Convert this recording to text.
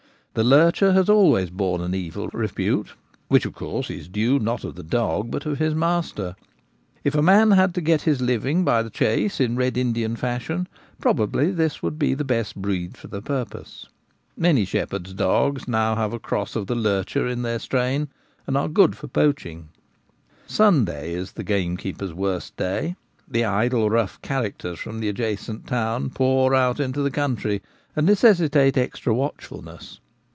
The lurcher has always borne an evil repute, which of course is the due not of the dog but of his master. If a man had to get his living by the chase in Red Indian fashion, probably this would be the 1 72 The Gamekeeper at Home. best breed for his purpose. Many shepherds' dogs now have a cross of the lurcher in their strain, and are good at poaching. Sunday is the gamekeeper's worst day ; the idle, rough characters from the adjacent town pour out into the country, and necessitate extra watchfulness.